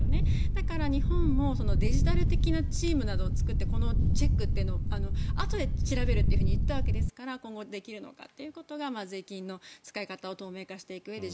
だから、日本もデジタル的なチームなどを作ってこのチェックというのをあとで調べるといったんですから今後できるのかというところが税金の使い方を透明化していくうえで